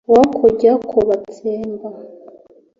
wo kujya kubatsemba